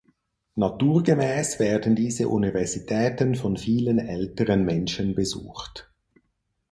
Naturgemäß werden diese Universitäten von vielen älteren Menschen besucht.